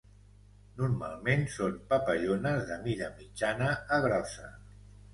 Normalment són papallones de mida mitjana a grossa.